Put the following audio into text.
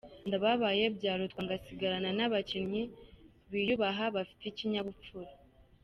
Ndababaye, byarutwa ngasigarana n’abakinnyi biyubaha bafite ikinyabupfura.